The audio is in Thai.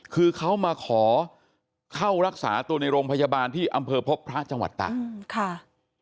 คือเขามาขอเข้ารักษาตัวในโรงพยาบาลที่อำเภอพบพระจังหวัดตากค่ะ